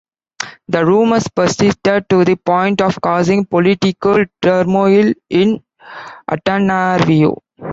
The rumors persisted to the point of causing political turmoil in Antananarivo.